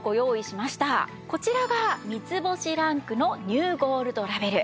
こちらが３つ星ランクのニューゴールドラベル。